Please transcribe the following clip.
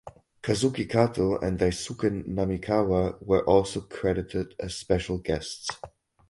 Kazuki Kato and Daisuke Namikawa were also credited as special guests.